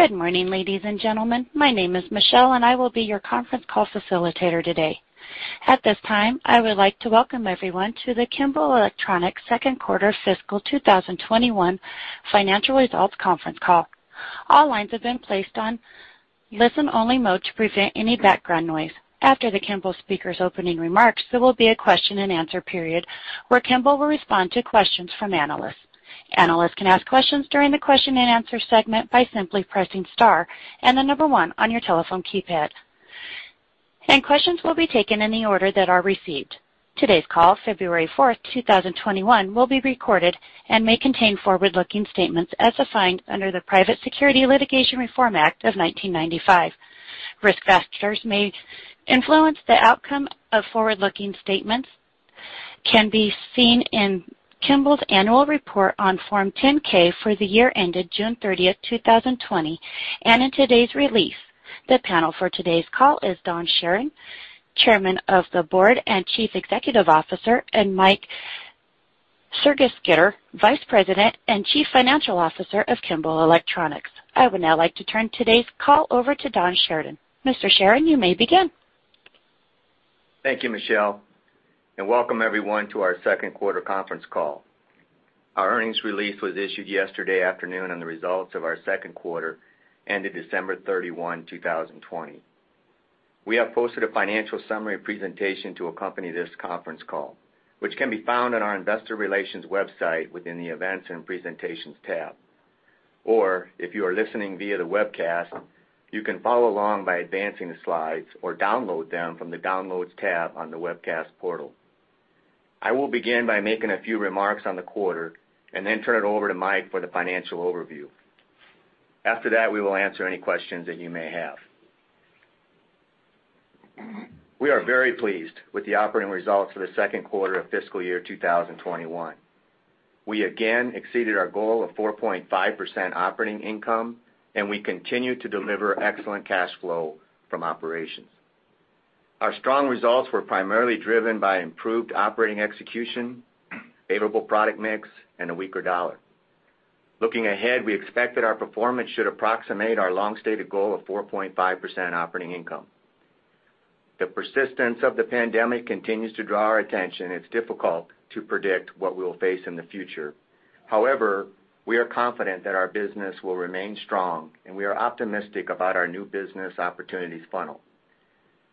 Good morning, ladies and gentlemen. My name is Michelle, and I will be your conference call facilitator today. At this time, I would like to welcome everyone to the Kimball Electronics Second Quarter Fiscal 2021 Financial Results Conference Call. All lines have been placed on listen-only mode to prevent any background noise. After the Kimball speakers' opening remarks, there will be a question-and-answer period where Kimball will respond to questions from analysts. Analysts can ask questions during the question-and-answer segment by simply pressing star and the number one on your telephone keypad. Questions will be taken in the order that are received. Today's call, February fourth, 2021, will be recorded and may contain forward-looking statements as assigned under the Private Securities Litigation Reform Act of 1995. Risk factors may influence the outcome of forward-looking statements can be seen in Kimball's annual report on Form 10-K for the year ended June 30th, 2020, and in today's release. The panel for today's call is Don Charron, Chairman of the Board and Chief Executive Officer, and Mike Sergesketter, Vice President and Chief Financial Officer of Kimball Electronics. I would now like to turn today's call over to Don Charron. Mr. Charron, you may begin. Thank you, Michelle, and welcome everyone to our second quarter conference call. Our earnings release was issued yesterday afternoon on the results of our second quarter ended December 31, 2020. We have posted a financial summary presentation to accompany this conference call, which can be found on our investor relations website within the Events and Presentations tab. If you are listening via the webcast, you can follow along by advancing the slides or download them from the Downloads tab on the webcast portal. I will begin by making a few remarks on the quarter and then turn it over to Mike for the financial overview. After that, we will answer any questions that you may have. We are very pleased with the operating results for the second quarter of fiscal year 2021. We again exceeded our goal of 4.5% operating income, and we continue to deliver excellent cash flow from operations. Our strong results were primarily driven by improved operating execution, favorable product mix, and a weaker U.S. dollar. Looking ahead, we expect that our performance should approximate our long-stated goal of 4.5% operating income. The persistence of the pandemic continues to draw our attention. It's difficult to predict what we will face in the future. We are confident that our business will remain strong, and we are optimistic about our new business opportunities funnel.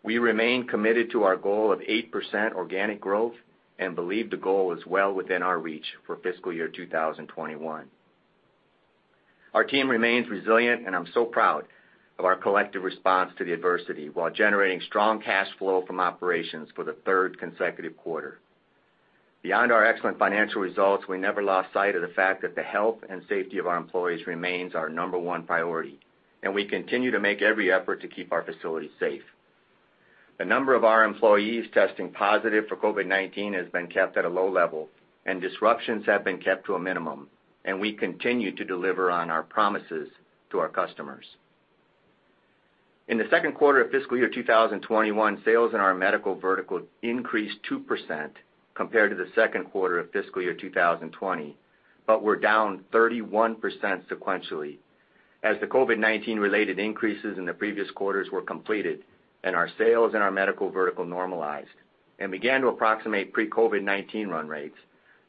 We remain committed to our goal of 8% organic growth and believe the goal is well within our reach for fiscal year 2021. Our team remains resilient, and I'm so proud of our collective response to the adversity while generating strong cash flow from operations for the third consecutive quarter. Beyond our excellent financial results, we never lost sight of the fact that the health and safety of our employees remains our number one priority, and we continue to make every effort to keep our facilities safe. The number of our employees testing positive for COVID-19 has been kept at a low level, and disruptions have been kept to a minimum, and we continue to deliver on our promises to our customers. In the second quarter of fiscal year 2021, sales in our medical vertical increased 2% compared to the second quarter of fiscal year 2020, but were down 31% sequentially as the COVID-19 related increases in the previous quarters were completed and our sales in our medical vertical normalized and began to approximate pre-COVID-19 run rates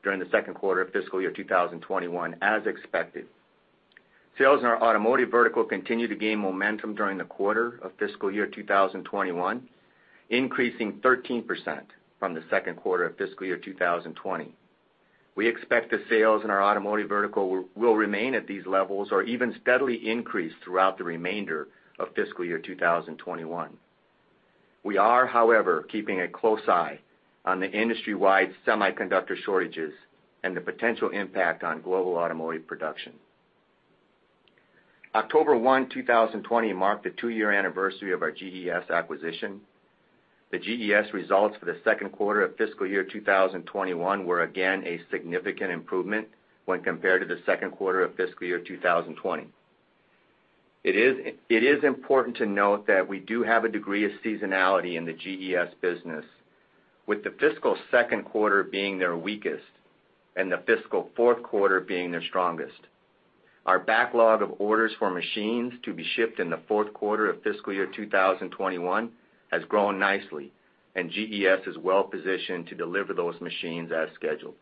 during the second quarter of fiscal year 2021 as expected. Sales in our automotive vertical continued to gain momentum during the quarter of fiscal year 2021, increasing 13% from the second quarter of fiscal year 2020. We expect the sales in our automotive vertical will remain at these levels or even steadily increase throughout the remainder of fiscal year 2021. We are, however, keeping a close eye on the industry-wide semiconductor shortages and the potential impact on global automotive production. October 1, 2020, marked the two-year anniversary of our GES acquisition. The GES results for the second quarter of fiscal year 2021 were again a significant improvement when compared to the second quarter of fiscal year 2020. It is important to note that we do have a degree of seasonality in the GES business, with the fiscal second quarter being their weakest and the fiscal fourth quarter being their strongest. Our backlog of orders for machines to be shipped in the fourth quarter of fiscal year 2021 has grown nicely, and GES is well-positioned to deliver those machines as scheduled.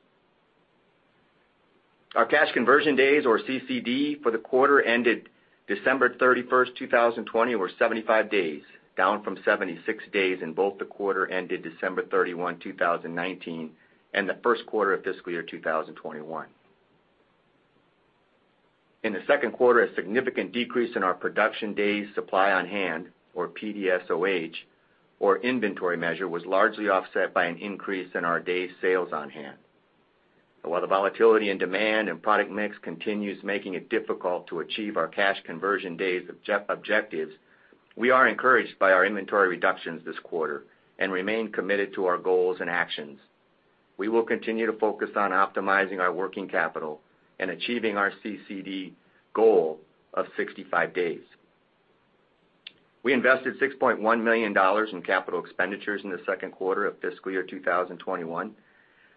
Our cash conversion days or CCD for the quarter ended December 31, 2020, were 75 days, down from 76 days in both the quarter ended December 31, 2019, and the first quarter of fiscal year 2021. In the second quarter, a significant decrease in our production days supply on hand or PDSOH or inventory measure was largely offset by an increase in our days sales on hand. While the volatility in demand and product mix continues making it difficult to achieve our cash conversion days objectives, we are encouraged by our inventory reductions this quarter and remain committed to our goals and actions. We will continue to focus on optimizing our working capital and achieving our CCD goal of 65 days. We invested $6.1 million in capital expenditures in the second quarter of fiscal year 2021.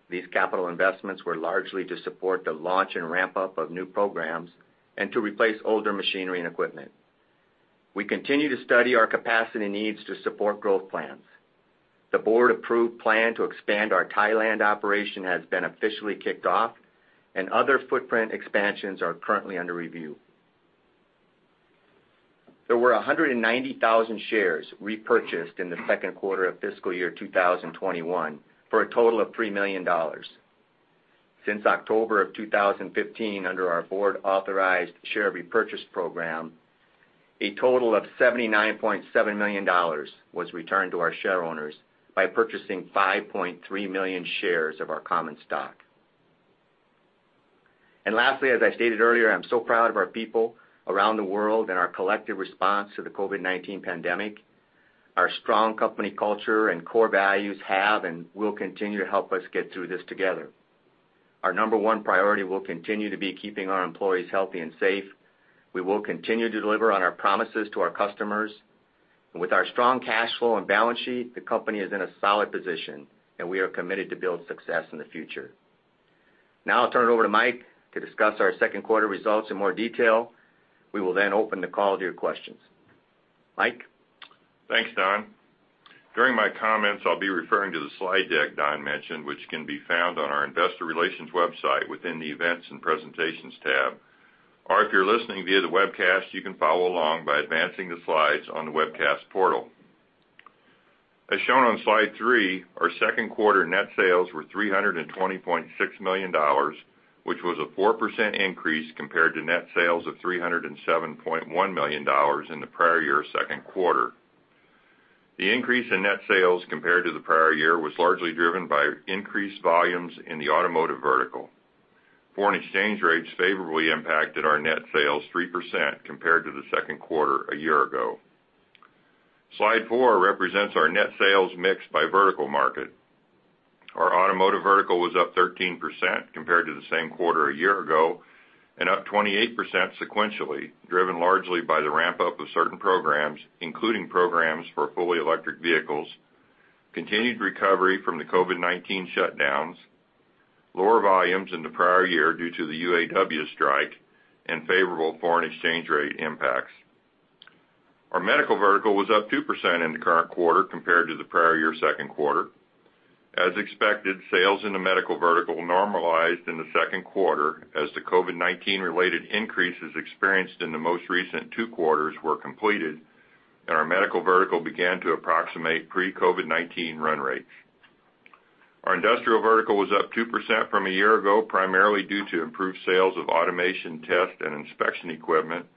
These capital investments were largely to support the launch and ramp-up of new programs and to replace older machinery and equipment. We continue to study our capacity needs to support growth plans. The board-approved plan to expand our Thailand operation has been officially kicked off, and other footprint expansions are currently under review. There were 190,000 shares repurchased in the second quarter of fiscal year 2021, for a total of $3 million. Since October of 2015, under our board-authorized share repurchase program, a total of $79.7 million was returned to our share owners by purchasing 5.3 million shares of our common stock. Lastly, as I stated earlier, I'm so proud of our people around the world and our collective response to the COVID-19 pandemic. Our strong company culture and core values have and will continue to help us get through this together. Our number one priority will continue to be keeping our employees healthy and safe. We will continue to deliver on our promises to our customers. With our strong cash flow and balance sheet, the company is in a solid position, and we are committed to build success in the future. Now I'll turn it over to Mike to discuss our second quarter results in more detail. We will then open the call to your questions. Mike? Thanks, Don. During my comments, I'll be referring to the slide deck Don mentioned, which can be found on our investor relations website within the Events and Presentations tab. If you're listening via the webcast, you can follow along by advancing the slides on the webcast portal. As shown on slide three, our second quarter net sales were $320.6 million, which was a 4% increase compared to net sales of $307.1 million in the prior year second quarter. The increase in net sales compared to the prior year was largely driven by increased volumes in the automotive vertical. Foreign exchange rates favorably impacted our net sales 3% compared to the second quarter a year ago. Slide four represents our net sales mix by vertical market. Our automotive vertical was up 13% compared to the same quarter a year ago, and up 28% sequentially, driven largely by the ramp-up of certain programs, including programs for fully electric vehicles, continued recovery from the COVID-19 shutdowns, lower volumes in the prior year due to the UAW strike, and favorable foreign exchange rate impacts. Our medical vertical was up 2% in the current quarter compared to the prior year second quarter. As expected, sales in the medical vertical normalized in the second quarter as the COVID-19 related increases experienced in the most recent two quarters were completed, and our medical vertical began to approximate pre-COVID-19 run rates. Our industrial vertical was up 2% from a year ago, primarily due to improved sales of automation test and inspection equipment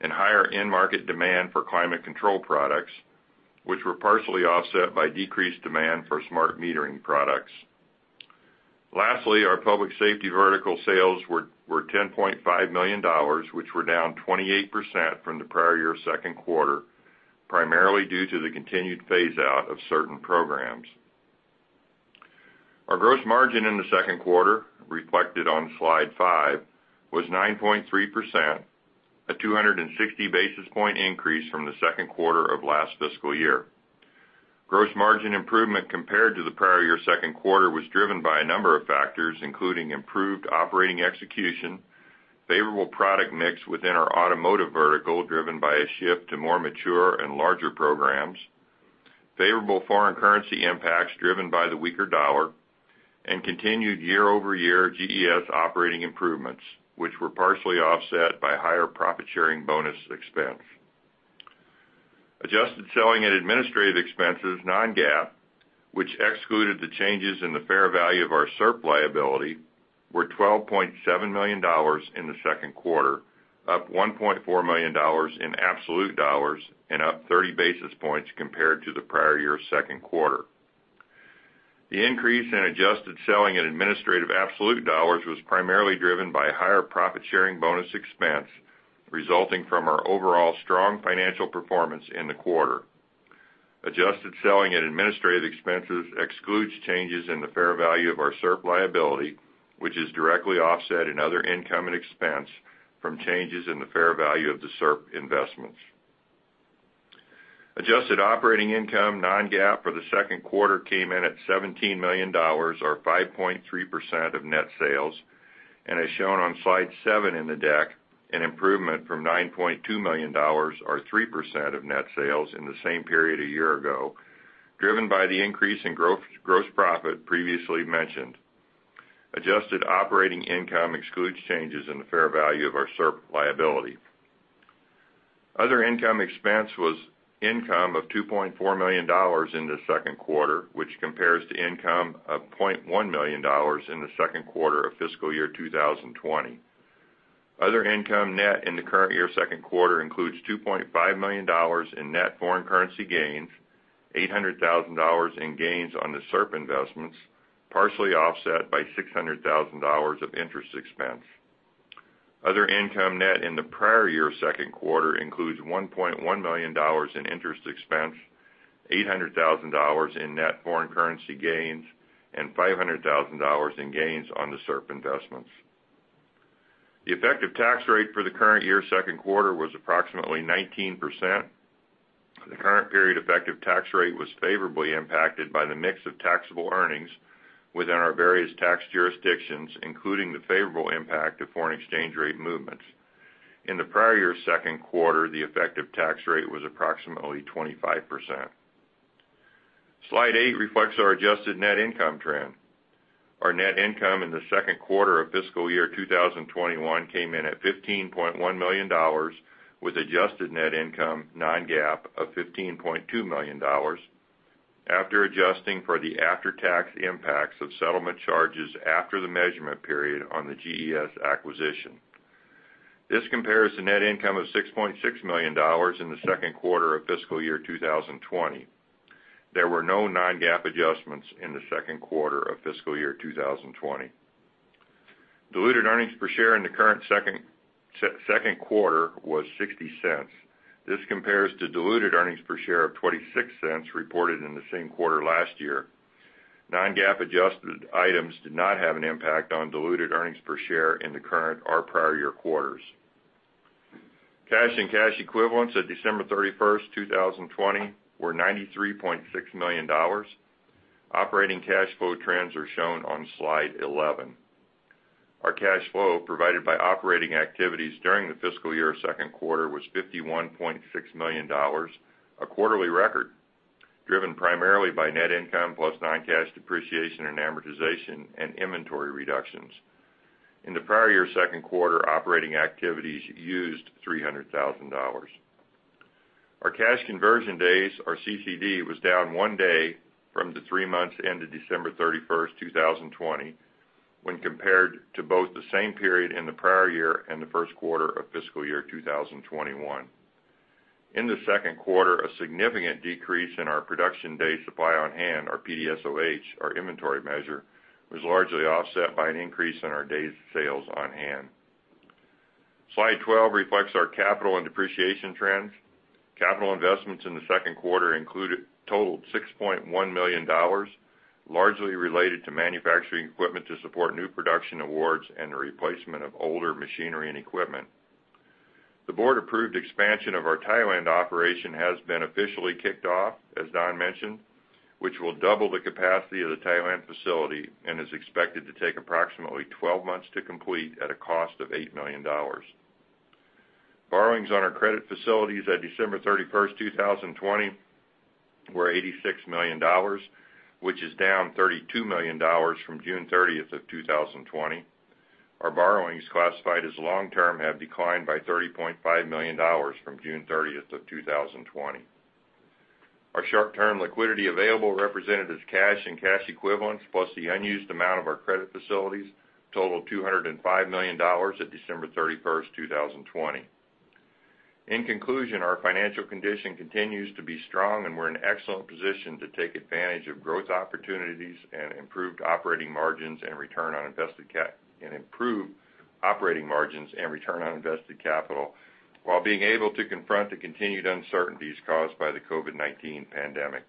and higher end market demand for climate control products, which were partially offset by decreased demand for smart metering products. Lastly, our public safety vertical sales were $10.5 million, which were down 28% from the prior year second quarter, primarily due to the continued phase-out of certain programs. Our gross margin in the second quarter, reflected on slide five, was 9.3%, a 260-basis-point increase from the second quarter of last fiscal year. Gross margin improvement compared to the prior year second quarter was driven by a number of factors, including improved operating execution, favorable product mix within our automotive vertical, driven by a shift to more mature and larger programs, favorable foreign currency impacts driven by the weaker dollar, and continued year-over-year GES operating improvements, which were partially offset by higher profit sharing bonus expense. Adjusted selling and administrative expenses non-GAAP, which excluded the changes in the fair value of our SERP liability, were $12.7 million in the second quarter, up $1.4 million in absolute dollars and up 30 basis points compared to the prior year second quarter. The increase in adjusted selling and administrative absolute dollars was primarily driven by higher profit sharing bonus expense resulting from our overall strong financial performance in the quarter. Adjusted selling and administrative expenses excludes changes in the fair value of our SERP liability, which is directly offset in other income and expense from changes in the fair value of the SERP investments. Adjusted operating income non-GAAP for the second quarter came in at $17 million, or 5.3% of net sales, and as shown on slide seven in the deck, an improvement from $9.2 million or 3% of net sales in the same period a year ago, driven by the increase in growth gross profit previously mentioned. Adjusted operating income excludes changes in the fair value of our SERP liability. Other income expense was income of $2.4 million in the second quarter, which compares to income of $0.1 million in the second quarter of fiscal year 2020. Other income net in the current year second quarter includes $2.5 million in net foreign currency gains, $800,000 in gains on the SERP investments, partially offset by $600,000 of interest expense. Other income net in the prior year second quarter includes $1.1 million in interest expense, $800,000 in net foreign currency gains, and $500,000 in gains on the SERP investments. The effective tax rate for the current year second quarter was approximately 19%. The current period effective tax rate was favorably impacted by the mix of taxable earnings within our various tax jurisdictions, including the favorable impact of foreign exchange rate movements. In the prior year second quarter, the effective tax rate was approximately 25%. Slide eight reflects our adjusted net income trend. Our net income in the second quarter of fiscal year 2021 came in at $15.1 million, with adjusted net income non-GAAP of $15.2 million. After adjusting for the after-tax impacts of settlement charges after the measurement period on the GES acquisition. This compares to net income of $6.6 million in the second quarter of fiscal year 2020. There were no non-GAAP adjustments in the second quarter of fiscal year 2020. Diluted earnings per share in the current second quarter was $0.60. This compares to diluted earnings per share of $0.26 reported in the same quarter last year. Non-GAAP adjusted items did not have an impact on diluted earnings per share in the current or prior year quarters. Cash and cash equivalents at December 31st, 2020 were $93.6 million. Operating cash flow trends are shown on slide 11. Our cash flow provided by operating activities during the fiscal year second quarter was $51.6 million, a quarterly record, driven primarily by net income plus non-cash depreciation and amortization and inventory reductions. In the prior year second quarter, operating activities used $300,000. Our cash conversion days, our CCD, was down one day for the three months ended December 31st, 2020, when compared to both the same period in the prior year and the first quarter of fiscal year 2021. In the second quarter, a significant decrease in our production day supply on hand, our PDSOH, our inventory measure, was largely offset by an increase in our days sales on hand. Slide 12 reflects our capital and depreciation trends. Capital investments in the second quarter totaled $6.1 million, largely related to manufacturing equipment to support new production awards and the replacement of older machinery and equipment. The board-approved expansion of our Thailand operation has been officially kicked off, as Don mentioned, which will double the capacity of the Thailand facility and is expected to take approximately 12 months to complete at a cost of $8 million. Borrowings on our credit facilities at December 31st, 2020 were $86 million, which is down $32 million from June 30th of 2020. Our borrowings classified as long-term have declined by $30.5 million from June 30th of 2020. Our short-term liquidity available represented as cash and cash equivalents, plus the unused amount of our credit facilities, totaled $205 million at December 31st, 2020. In conclusion, our financial condition continues to be strong, we're in excellent position to take advantage of growth opportunities and improved operating margins and return on invested capital while being able to confront the continued uncertainties caused by the COVID-19 pandemic.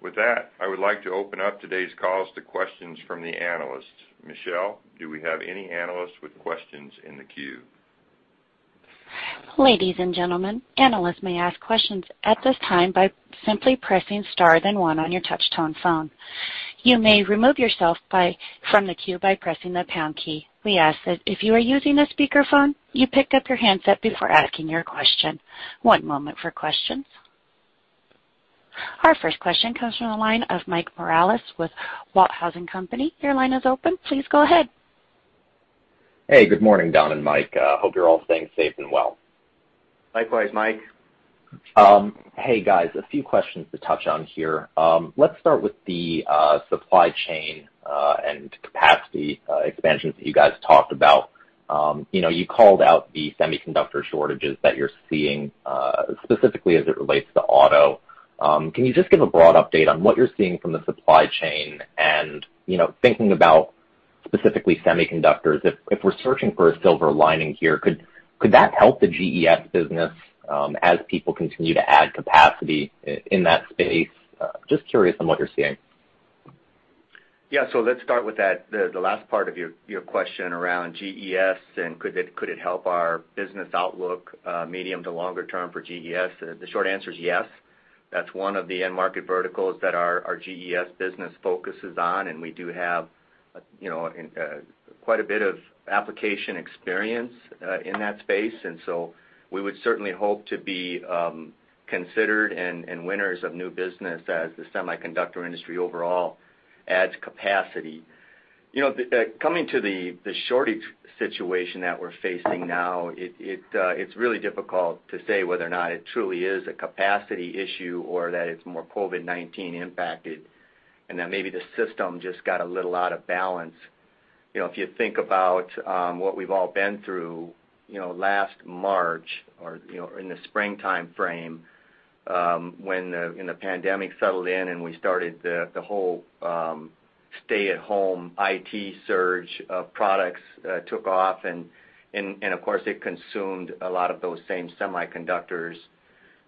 With that, I would like to open up today's calls to questions from the analysts. Michelle, do we have any analysts with questions in the queue? Ladies and gentlemen, analysts may ask questions at this time by simply pressing star then one on your touch-tone phone. You may remove yourself from the queue by pressing the pound key. We ask that if you are using a speakerphone, you pick up your handset before asking your question. One moment for questions. Our first question comes from the line of Mike Morales with B. Riley Securities. Your line is open. Please go ahead. Hey, good morning, Don and Mike. Hope you're all staying safe and well. Likewise, Mike. Hey, guys. A few questions to touch on here. Let's start with the supply chain and capacity expansions that you guys talked about. You called out the semiconductor shortages that you're seeing, specifically as it relates to auto. Can you just give a broad update on what you're seeing from the supply chain? Thinking about specifically semiconductors, if we're searching for a silver lining here, could that help the GES business as people continue to add capacity in that space? Just curious on what you're seeing. Yeah. Let's start with the last part of your question around GES and could it help our business outlook medium to longer term for GES? The short answer is yes. That's one of the end market verticals that our GES business focuses on, and we do have quite a bit of application experience in that space. We would certainly hope to be considered and winners of new business as the semiconductor industry overall adds capacity. Coming to the shortage situation that we're facing now, it's really difficult to say whether or not it truly is a capacity issue or that it's more COVID-19 impacted, and that maybe the system just got a little out of balance. If you think about what we've all been through last March or in the springtime frame, when the pandemic settled in and we started the whole stay-at-home IT surge of products took off, and of course, it consumed a lot of those same semiconductors.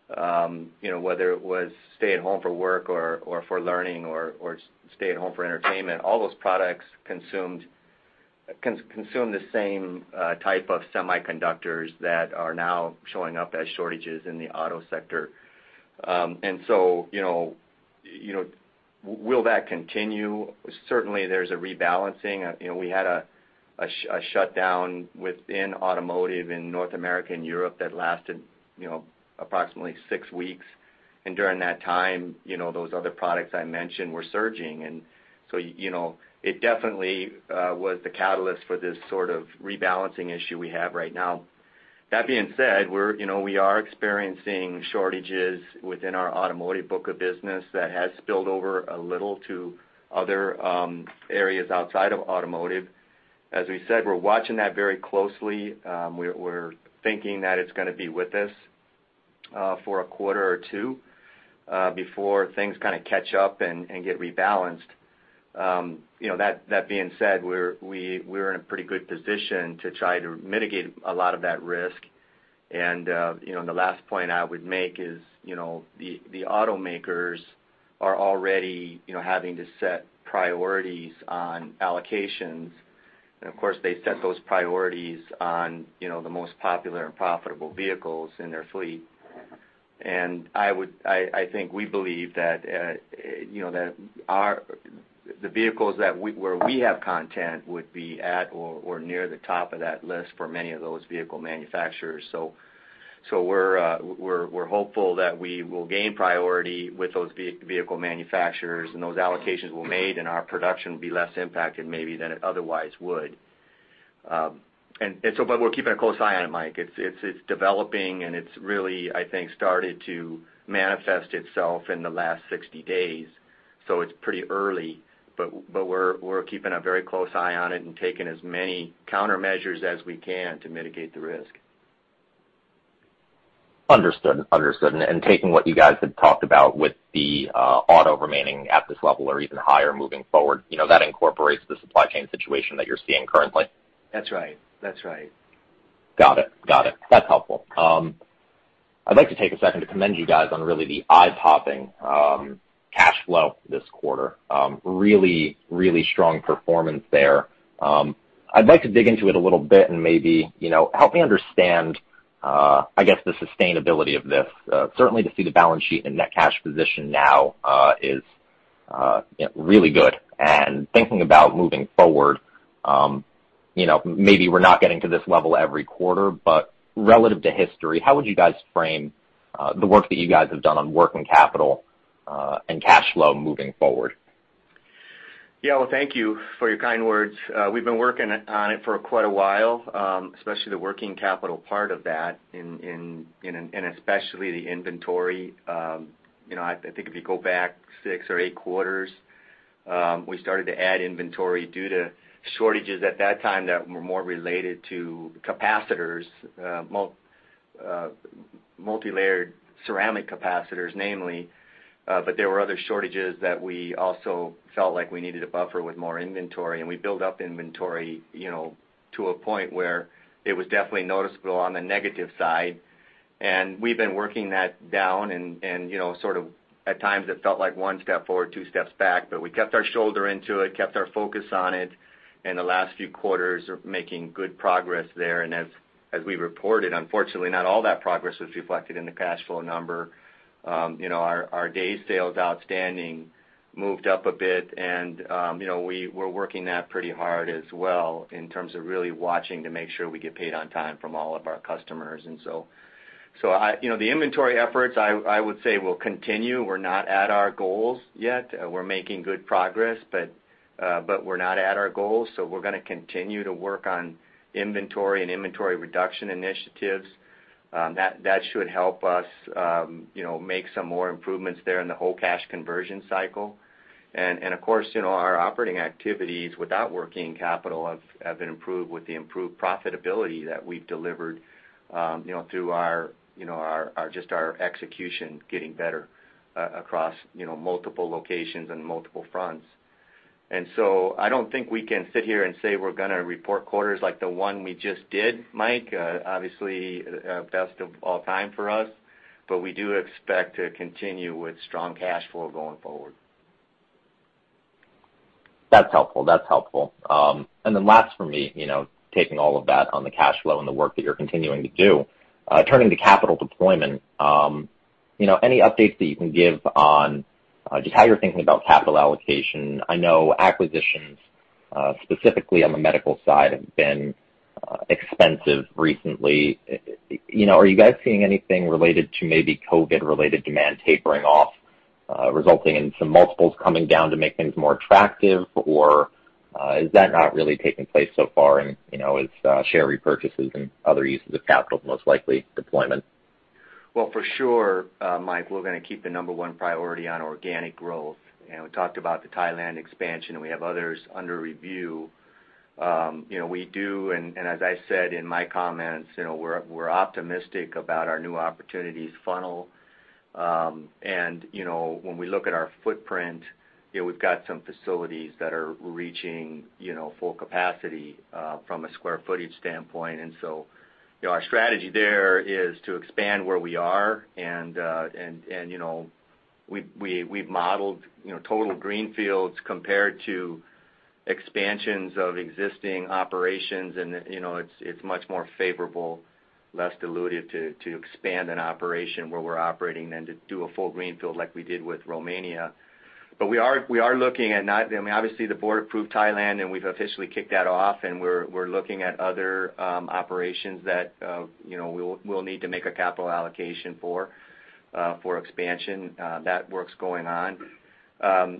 Whether it was stay at home for work or for learning or stay at home for entertainment, all those products consume the same type of semiconductors that are now showing up as shortages in the auto sector. Will that continue? Certainly, there's a rebalancing. We had a shutdown within automotive in North America and Europe that lasted approximately six weeks. During that time, those other products I mentioned were surging. It definitely was the catalyst for this sort of rebalancing issue we have right now. That being said, we are experiencing shortages within our automotive book of business that has spilled over a little to other areas outside of automotive. As we said, we're watching that very closely. We're thinking that it's going to be with us for a quarter or two before things kind of catch up and get rebalanced. That being said, we're in a pretty good position to try to mitigate a lot of that risk. The last point I would make is the automakers are already having to set priorities on allocations. Of course, they set those priorities on the most popular and profitable vehicles in their fleet. I think we believe that the vehicles where we have content would be at or near the top of that list for many of those vehicle manufacturers. We're hopeful that we will gain priority with those vehicle manufacturers and those allocations were made and our production will be less impacted maybe than it otherwise would. We're keeping a close eye on it, Mike. It's developing, and it's really, I think, started to manifest itself in the last 60 days. It's pretty early, but we're keeping a very close eye on it and taking as many countermeasures as we can to mitigate the risk. Understood. Taking what you guys had talked about with the auto remaining at this level or even higher moving forward, that incorporates the supply chain situation that you're seeing currently. That's right. Got it. That's helpful. I'd like to take a second to commend you guys on really the eye-popping cash flow this quarter. Really strong performance there. I'd like to dig into it a little bit and maybe help me understand, I guess, the sustainability of this. Certainly to see the balance sheet and net cash position now is really good. Thinking about moving forward, maybe we're not getting to this level every quarter, but relative to history, how would you guys frame the work that you guys have done on working capital and cash flow moving forward? Well, thank you for your kind words. We've been working on it for quite a while, especially the working capital part of that, and especially the inventory. I think if you go back six or eight quarters, we started to add inventory due to shortages at that time that were more related to capacitors, multilayered ceramic capacitors namely. There were other shortages that we also felt like we needed a buffer with more inventory, and we built up inventory to a point where it was definitely noticeable on the negative side. We've been working that down and sort of at times it felt like one step forward, two steps back, but we kept our shoulder into it, kept our focus on it. The last few quarters are making good progress there. As we reported, unfortunately, not all that progress was reflected in the cash flow number. Our days sales outstanding moved up a bit, and we're working that pretty hard as well in terms of really watching to make sure we get paid on time from all of our customers. The inventory efforts, I would say, will continue. We're not at our goals yet. We're making good progress, but we're not at our goals, so we're going to continue to work on inventory and inventory reduction initiatives. That should help us make some more improvements there in the whole cash conversion cycle. Of course, our operating activities without working capital have been improved with the improved profitability that we've delivered through just our execution getting better across multiple locations and multiple fronts. I don't think we can sit here and say we're going to report quarters like the one we just did, Mike. Obviously, best of all time for us, but we do expect to continue with strong cash flow going forward. That's helpful. Last for me, taking all of that on the cash flow and the work that you're continuing to do, turning to capital deployment, any updates that you can give on just how you're thinking about capital allocation? I know acquisitions, specifically on the medical side, have been expensive recently. Are you guys seeing anything related to maybe COVID-related demand tapering off, resulting in some multiples coming down to make things more attractive? Is that not really taking place so far, and is share repurchases and other uses of capital most likely deployment? Well, for sure, Mike, we're going to keep the number one priority on organic growth. We talked about the Thailand expansion, and we have others under review. We do, and as I said in my comments, we're optimistic about our new opportunities funnel. When we look at our footprint, we've got some facilities that are reaching full capacity from a square footage standpoint. Our strategy there is to expand where we are, and we've modeled total greenfields compared to expansions of existing operations, and it's much more favorable, less dilutive to expand an operation where we're operating than to do a full greenfield like we did with Romania. We are looking at. Obviously, the board approved Thailand, and we've officially kicked that off, and we're looking at other operations that we'll need to make a capital allocation for expansion. That work's going on.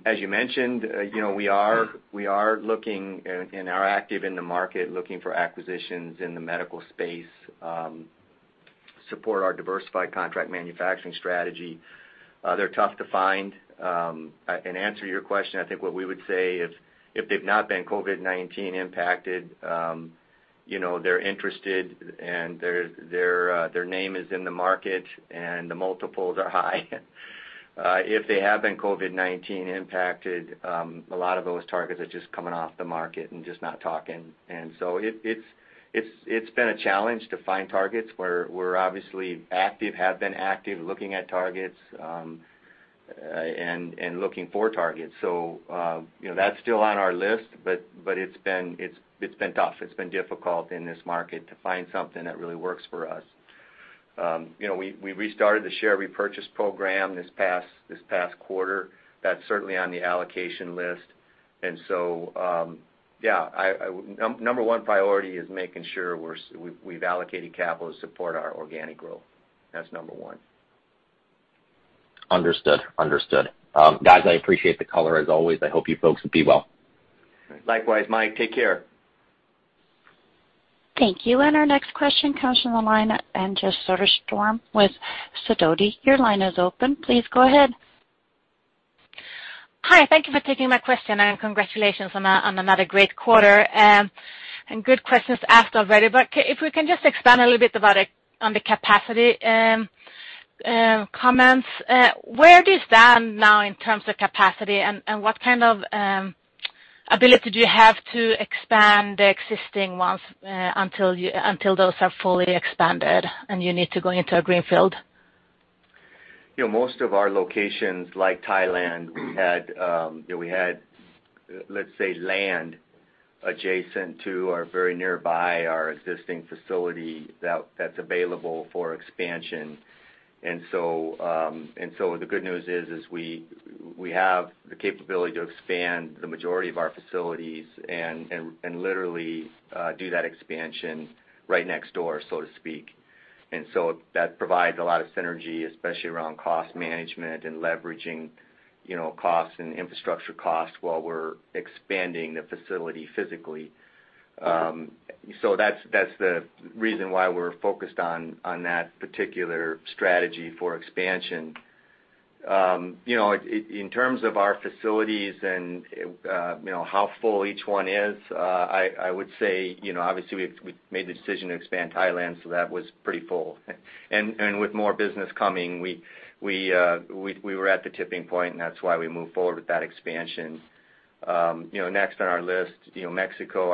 As you mentioned, we are looking and are active in the market looking for acquisitions in the medical space, support our diversified contract manufacturing strategy. They're tough to find. In answer to your question, I think what we would say if they've not been COVID-19 impacted, they're interested, and their name is in the market, and the multiples are high. If they have been COVID-19 impacted, a lot of those targets are just coming off the market and just not talking. It's been a challenge to find targets where we're obviously active, have been active, looking at targets, and looking for targets. That's still on our list, but it's been tough. It's been difficult in this market to find something that really works for us. We restarted the share repurchase program this past quarter. That's certainly on the allocation list. Yeah, number one priority is making sure we've allocated capital to support our organic growth. That's number one. Understood. Guys, I appreciate the color as always. I hope you folks will be well. Likewise, Mike. Take care. Thank you. Our next question comes from the line, Anja Soderstrom with Sidoti. Your line is open. Please go ahead. Hi, thank you for taking my question, and congratulations on another great quarter. Good questions asked already. If we can just expand a little bit about it on the capacity comments. Where do you stand now in terms of capacity, and what kind of ability do you have to expand the existing ones until those are fully expanded and you need to go into a greenfield? Most of our locations, like Thailand, we had, let's say, land adjacent to or very nearby our existing facility that's available for expansion. The good news is we have the capability to expand the majority of our facilities and literally do that expansion right next door, so to speak. That provides a lot of synergy, especially around cost management and leveraging costs and infrastructure costs while we're expanding the facility physically. That's the reason why we're focused on that particular strategy for expansion. In terms of our facilities and how full each one is, I would say, obviously, we've made the decision to expand Thailand, so that was pretty full. With more business coming, we were at the tipping point, and that's why we moved forward with that expansion. Next on our list, our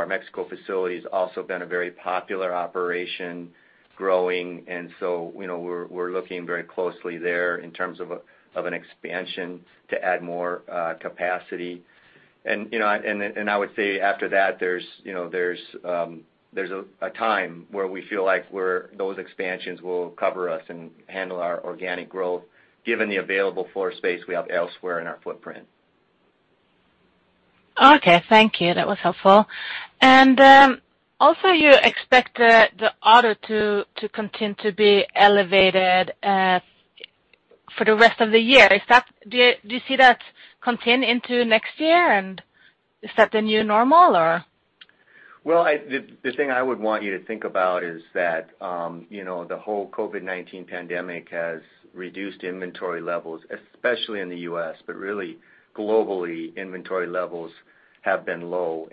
Mexico facility has also been a very popular operation growing. So we're looking very closely there in terms of an expansion to add more capacity. I would say after that, there's a time where we feel like those expansions will cover us and handle our organic growth given the available floor space we have elsewhere in our footprint. Okay, thank you. That was helpful. Also, you expect the auto to continue to be elevated for the rest of the year. Do you see that continue into next year, and is that the new normal, or? Well, the thing I would want you to think about is that the whole COVID-19 pandemic has reduced inventory levels, especially in the U.S., but really globally, inventory levels have been low.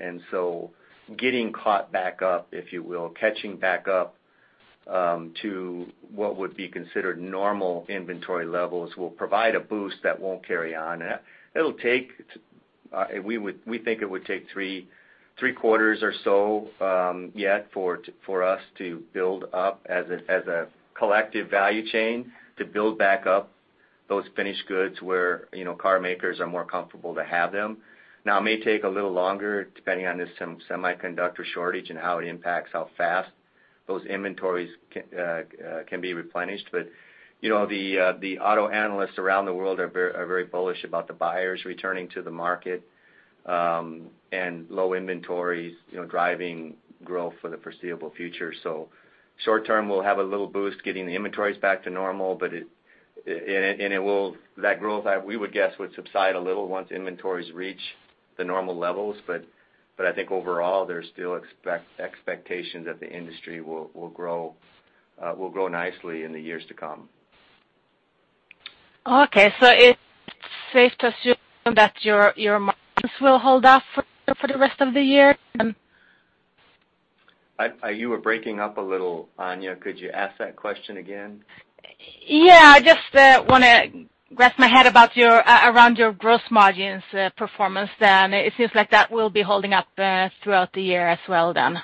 Getting caught back up, if you will, catching back up to what would be considered normal inventory levels will provide a boost that won't carry on. We think it would take three quarters or so yet for us to build up as a collective value chain to build back up those finished goods where car makers are more comfortable to have them. Now, it may take a little longer depending on the semiconductor shortage and how it impacts how fast those inventories can be replenished. The auto analysts around the world are very bullish about the buyers returning to the market, and low inventories driving growth for the foreseeable future. Short term, we'll have a little boost getting the inventories back to normal, but that growth, we would guess, would subside a little once inventories reach the normal levels. I think overall, there's still expectations that the industry will grow nicely in the years to come. Okay, it's safe to assume that your margins will hold up for the rest of the year, then? You were breaking up a little, Anja. Could you ask that question again? Yeah. I just want to wrap my head around your gross margins performance then. It seems like that will be holding up throughout the year as well then.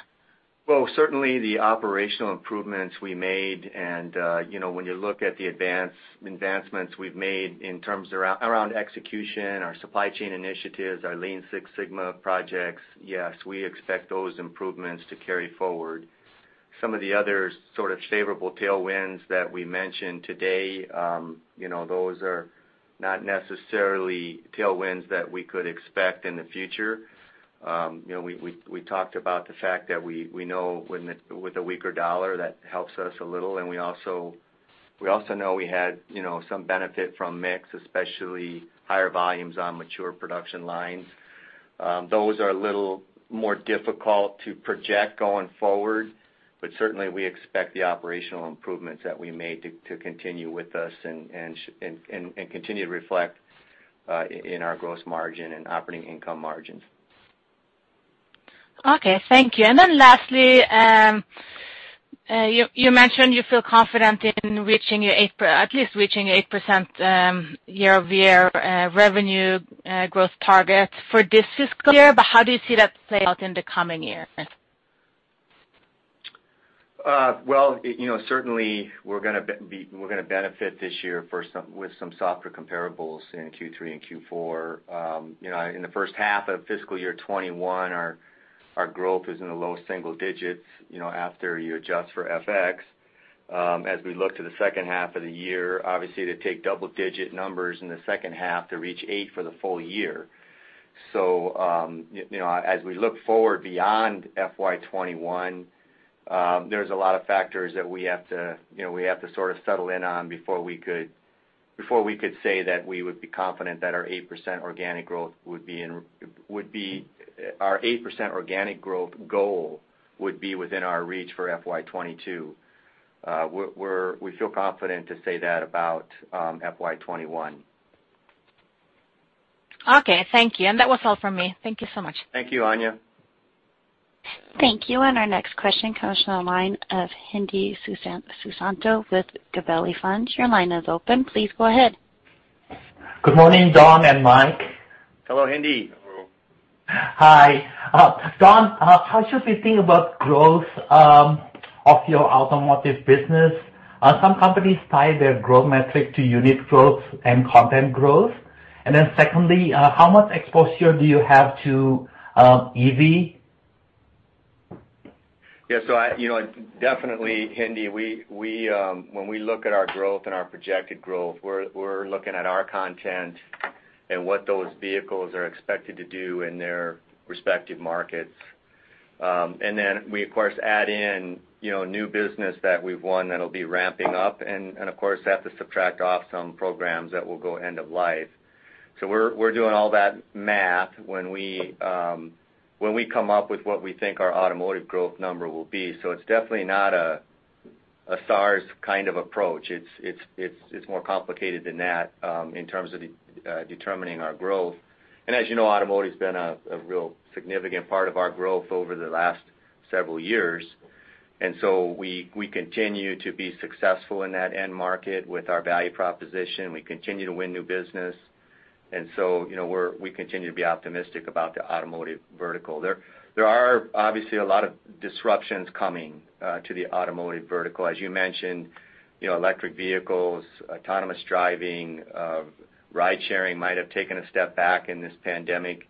Well, certainly the operational improvements we made, and when you look at the advancements we've made in terms around execution, our supply chain initiatives, our Lean Six Sigma projects, yes, we expect those improvements to carry forward. Some of the other sort of favorable tailwinds that we mentioned today, those are not necessarily tailwinds that we could expect in the future. We talked about the fact that we know with a weaker dollar, that helps us a little, and we also know we had some benefit from mix, especially higher volumes on mature production lines. Those are a little more difficult to project going forward. Certainly, we expect the operational improvements that we made to continue with us and continue to reflect in our gross margin and operating income margins. Okay, thank you. Lastly, you mentioned you feel confident in at least reaching 8% year-over-year revenue growth target for this fiscal year. How do you see that play out in the coming year? Certainly we're going to benefit this year with some softer comparables in Q3 and Q4. In the first half of fiscal year 2021, our growth is in the low single digits, after you adjust for FX. As we look to the second half of the year, obviously, to take double digit numbers in the second half to reach eight for the full year. As we look forward beyond FY 2021, there's a lot of factors that we have to sort of settle in on before we could say that we would be confident that our 8% organic growth goal would be within our reach for FY 2022. We feel confident to say that about FY 2021. Okay, thank you. That was all from me. Thank you so much. Thank you, Anja. Thank you. Our next question comes from the line of Hendi Susanto with Gabelli Funds. Your line is open. Please go ahead. Good morning, Don and Mike. Hello, Hendi. Hi. Don, how should we think about growth of your automotive business? Some companies tie their growth metric to unit growth and content growth. Secondly, how much exposure do you have to EV? Yeah. Definitely, Hendi, when we look at our growth and our projected growth, we're looking at our content and what those vehicles are expected to do in their respective markets. We, of course, add in new business that we've won that'll be ramping up and, of course, have to subtract off some programs that will go end of life. We're doing all that math when we come up with what we think our automotive growth number will be. It's definitely not a SAAR kind of approach. It's more complicated than that, in terms of determining our growth. As you know, automotive's been a real significant part of our growth over the last several years. We continue to be successful in that end market with our value proposition. We continue to win new business. We continue to be optimistic about the automotive vertical. There are obviously a lot of disruptions coming to the automotive vertical. As you mentioned, electric vehicles, autonomous driving, ride sharing might have taken a step back in this pandemic.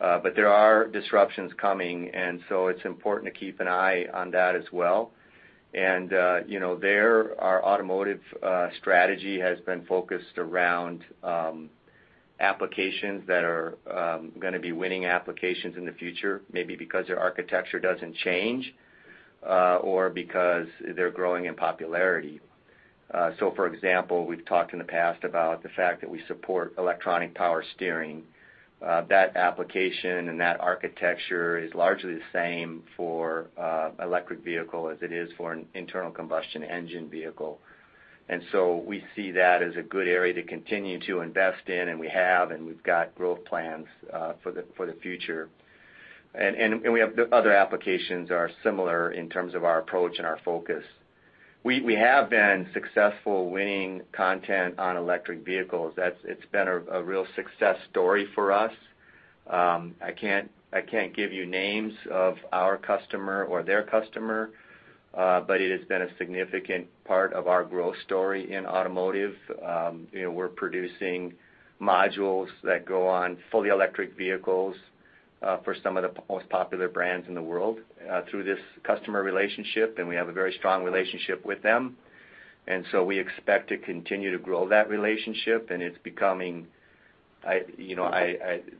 There are disruptions coming, and so it's important to keep an eye on that as well. There, our automotive strategy has been focused around applications that are going to be winning applications in the future, maybe because their architecture doesn't change, or because they're growing in popularity. For example, we've talked in the past about the fact that we support electronic power steering. That application and that architecture is largely the same for electric vehicle as it is for an internal combustion engine vehicle. We see that as a good area to continue to invest in, and we have, and we've got growth plans for the future. We have other applications that are similar in terms of our approach and our focus. We have been successful winning content on electric vehicles. It's been a real success story for us. I can't give you names of our customer or their customer, but it has been a significant part of our growth story in automotive. We're producing modules that go on fully electric vehicles, for some of the most popular brands in the world, through this customer relationship, and we have a very strong relationship with them. We expect to continue to grow that relationship, and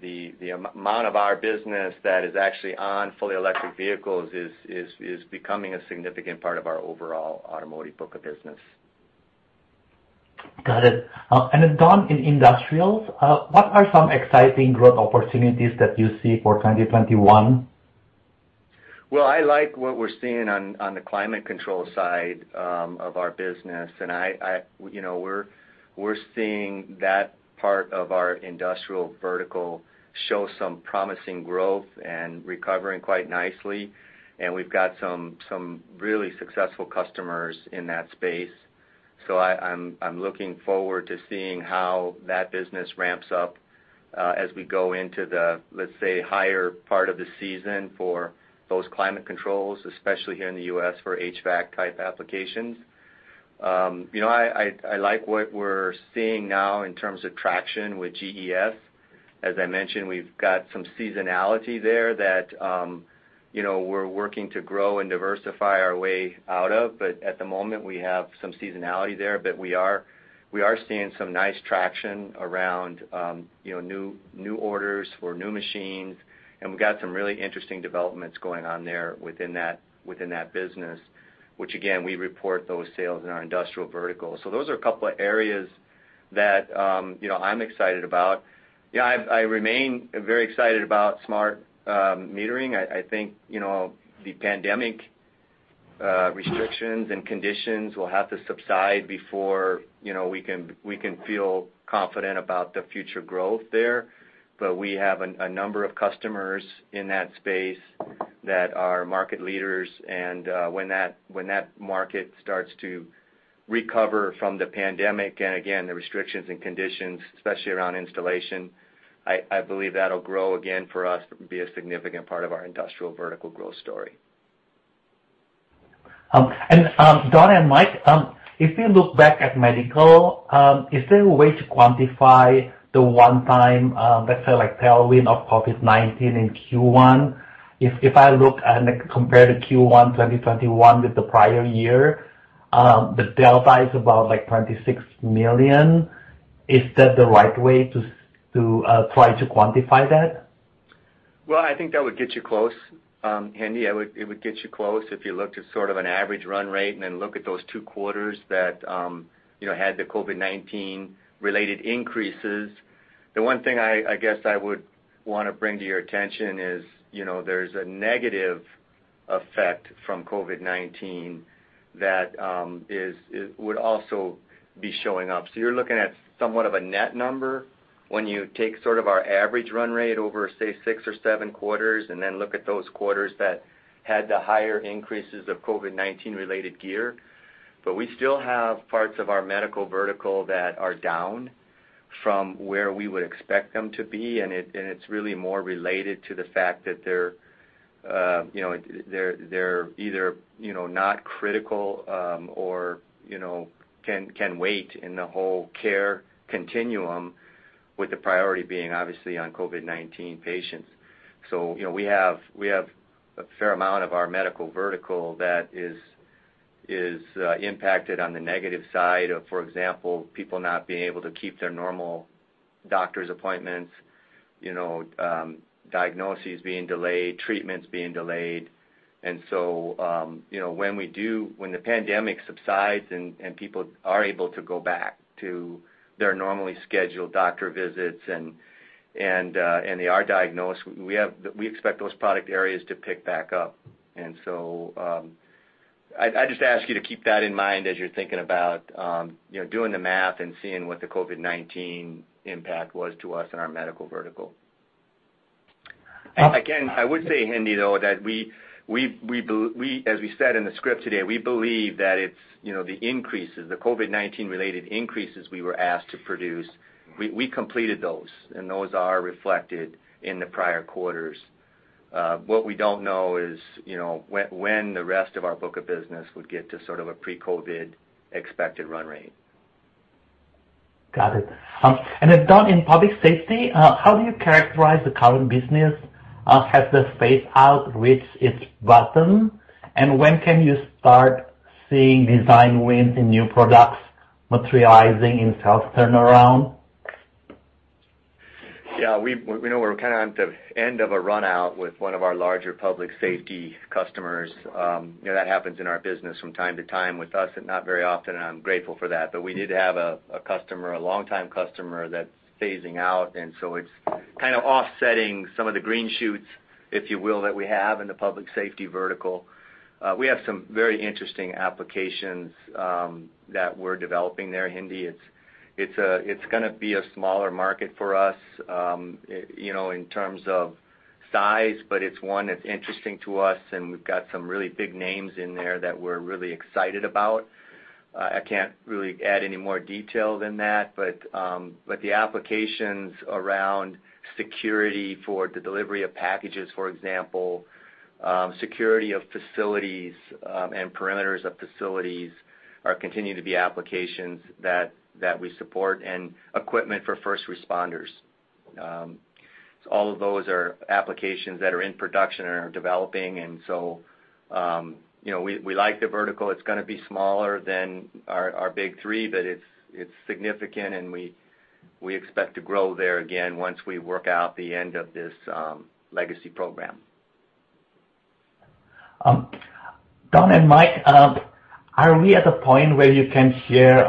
the amount of our business that is actually on fully electric vehicles is becoming a significant part of our overall automotive book of business. Got it. Then Don, in industrials, what are some exciting growth opportunities that you see for 2021? I like what we're seeing on the climate control side of our business. We're seeing that part of our industrial vertical show some promising growth and recovering quite nicely. We've got some really successful customers in that space. I'm looking forward to seeing how that business ramps up as we go into the, let's say, higher part of the season for those climate controls, especially here in the U.S. for HVAC type applications. I like what we're seeing now in terms of traction with GES. As I mentioned, we've got some seasonality there that we're working to grow and diversify our way out of. At the moment, we have some seasonality there. We are seeing some nice traction around new orders for new machines, and we've got some really interesting developments going on there within that business, which again, we report those sales in our industrial vertical. Those are a couple of areas that I'm excited about. I remain very excited about smart metering. I think the pandemic restrictions and conditions will have to subside before we can feel confident about the future growth there. We have a number of customers in that space that are market leaders, and when that market starts to recover from the pandemic and again, the restrictions and conditions, especially around installation, I believe that'll grow again for us, be a significant part of our industrial vertical growth story. Don and Mike, if you look back at medical, is there a way to quantify the one time, let's say, like tailwind of COVID-19 in Q1? If I look and compare the Q1 2021 with the prior year, the delta is about $26 million. Is that the right way to try to quantify that? Well, I think that would get you close. Hendi, it would get you close if you looked at sort of an average run rate and then look at those two quarters that had the COVID-19 related increases. The one thing I guess I would want to bring to your attention is, there's a negative effect from COVID-19 that would also be showing up. You're looking at somewhat of a net number when you take sort of our average run rate over, say, six or seven quarters, and then look at those quarters that had the higher increases of COVID-19 related gear. We still have parts of our medical vertical that are down from where we would expect them to be, and it's really more related to the fact that they're either not critical or can wait in the whole care continuum with the priority being obviously on COVID-19 patients. We have a fair amount of our medical vertical that is impacted on the negative side of, for example, people not being able to keep their normal doctor's appointments, diagnoses being delayed, treatments being delayed. When the pandemic subsides and people are able to go back to their normally scheduled doctor visits and they are diagnosed, we expect those product areas to pick back up. I just ask you to keep that in mind as you're thinking about doing the math and seeing what the COVID-19 impact was to us in our medical vertical. I would say, Hendi, though, that as we said in the script today, we believe that the COVID-19 related increases we were asked to produce, we completed those, and those are reflected in the prior quarters. What we don't know is when the rest of our book of business would get to sort of a pre-COVID expected run rate. Got it. Don, in public safety, how do you characterize the current business? Has the space reached its bottom? When can you start seeing design wins in new products materializing in sales turnaround? Yeah, we know we're kind of at the end of a run-out with one of our larger public safety customers. That happens in our business from time to time with us, not very often, and I'm grateful for that. We did have a longtime customer that's phasing out, it's kind of offsetting some of the green shoots, if you will, that we have in the public safety vertical. We have some very interesting applications that we're developing there, Hendi. It's going to be a smaller market for us in terms of size, it's one that's interesting to us, we've got some really big names in there that we're really excited about. I can't really add any more detail than that. The applications around security for the delivery of packages, for example, security of facilities and perimeters of facilities continue to be applications that we support and equipment for first responders. All of those are applications that are in production or are developing. We like the vertical. It's going to be smaller than our big three, but it's significant, and we expect to grow there again once we work out the end of this legacy program. Don and Mike, are we at a point where you can share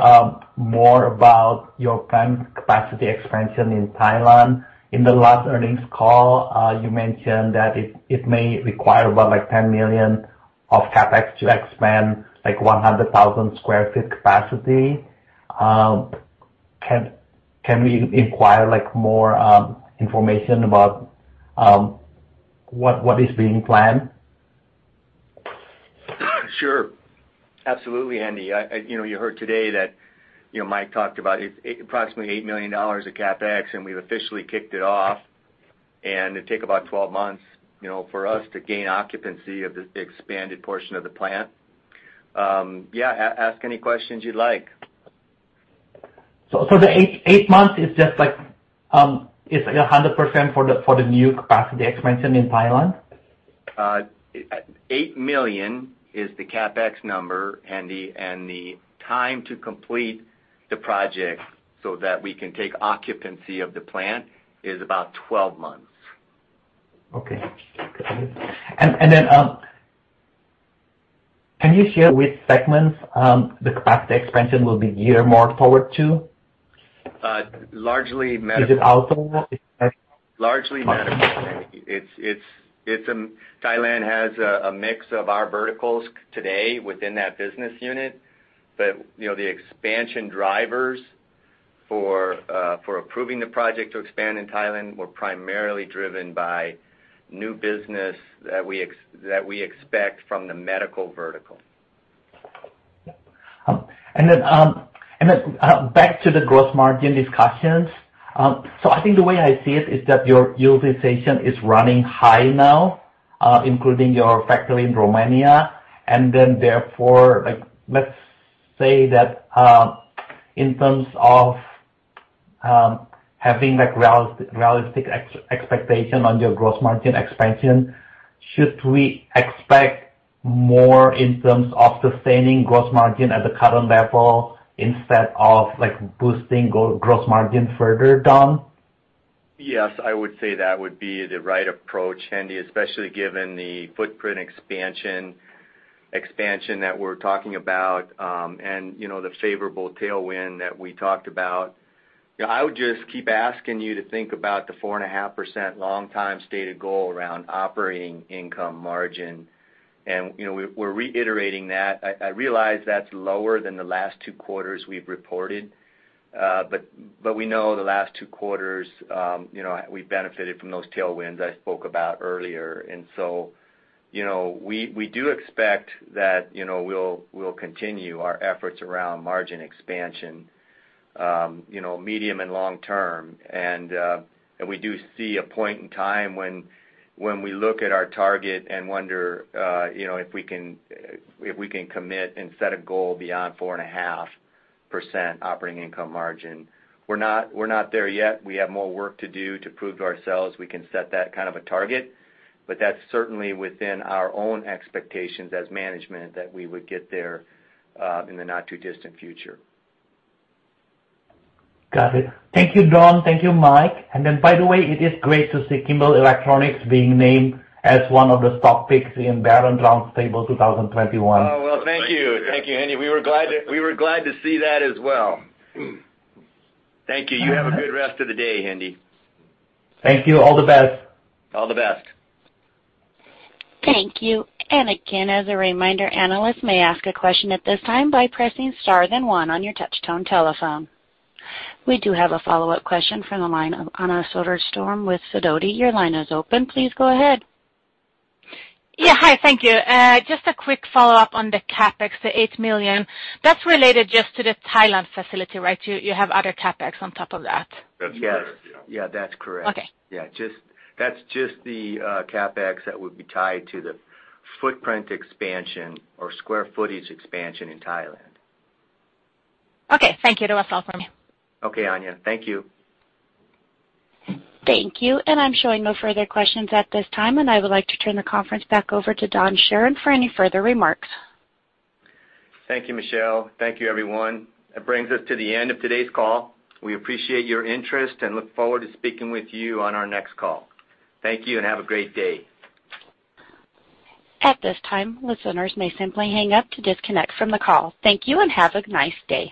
more about your planned capacity expansion in Thailand? In the last earnings call, you mentioned that it may require about $10 million of CapEx to expand 100,000 sq foot capacity. Can we inquire more information about what is being planned? Sure. Absolutely, Hendi. You heard today that Mike talked about approximately $8 million of CapEx, and we've officially kicked it off. It'll take about 12 months for us to gain occupancy of the expanded portion of the plant. Yeah, ask any questions you'd like. The eight months is just like, it's 100% for the new capacity expansion in Thailand? $8 million is the CapEx number, and the time to complete the project so that we can take occupancy of the plant is about 12 months. Okay. Got it. Can you share which segments the capacity expansion will be geared more forward to? Largely medical. Is it auto? Largely medical. Thailand has a mix of our verticals today within that business unit, but the expansion drivers for approving the project to expand in Thailand were primarily driven by new business that we expect from the medical vertical. Back to the gross margin discussions. I think the way I see it is that your utilization is running high now, including your factory in Romania, and then therefore, let's say that, in terms of having realistic expectation on your gross margin expansion, should we expect more in terms of sustaining gross margin at the current level instead of boosting gross margin further, Don? Yes, I would say that would be the right approach, Andy, especially given the footprint expansion that we're talking about, and the favorable tailwind that we talked about. I would just keep asking you to think about the 4.5% long-time stated goal around operating income margin. We're reiterating that. I realize that's lower than the last two quarters we've reported. We know the last two quarters, we benefited from those tailwinds I spoke about earlier. We do expect that we'll continue our efforts around margin expansion medium and long-term. We do see a point in time when we look at our target and wonder if we can commit and set a goal beyond 4.5% operating income margin. We're not there yet. We have more work to do to prove to ourselves we can set that kind of a target. That's certainly within our own expectations as management that we would get there in the not-too-distant future. Got it. Thank you, Don. Thank you, Mike. By the way, it is great to see Kimball Electronics being named as one of the stock picks in Barron's Roundtable 2021. Oh, well, thank you. Thank you, Andy. We were glad to see that as well. Thank you. You have a good rest of the day, Andy. Thank you. All the best. All the best. Thank you. Again, as a reminder, analysts may ask a question at this time by pressing star then one on your touch tone telephone. We do have a follow-up question from the line of Anja Soderstrom with Sidoti. Your line is open. Please go ahead. Yeah. Hi, thank you. Just a quick follow-up on the CapEx, the $8 million. That's related just to the Thailand facility, right? You have other CapEx on top of that? That's correct. Yeah. Yeah. That's correct. That's just the CapEx that would be tied to the footprint expansion or square footage expansion in Thailand. Okay. Thank you. That's all from me. Okay, Anja. Thank you. Thank you. I'm showing no further questions at this time, and I would like to turn the conference back over to Don Charron for any further remarks. Thank you, Michelle. Thank you, everyone. That brings us to the end of today's call. We appreciate your interest and look forward to speaking with you on our next call. Thank you and have a great day. At this time, listeners may simply hang up to disconnect from the call. Thank you and have a nice day.